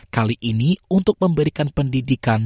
kali ini untuk memberikan pendidikan